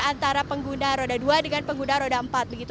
karena pengguna roda dua dengan pengguna roda empat